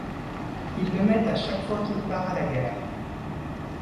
Il le met à chaque fois qu’il part à la guerre.